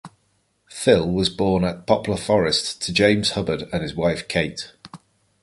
Phill was born at Poplar Forest to James Hubbard and his wife Cate.